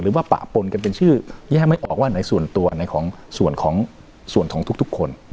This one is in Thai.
หรือว่าปะปนกันเป็นชื่อแยกไม่ออกว่าอันไหนส่วนตัวอันไหนส่วนของส่วนของทุกคน